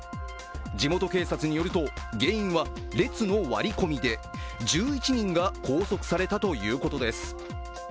地元警察によると原因は列の割り込みで１１人が拘束されたということです。